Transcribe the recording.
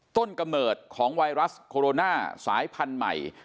กำเนิดของไวรัสโคโรนาสายพันธุ์ใหม่